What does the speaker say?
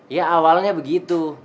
ya awalnya begitu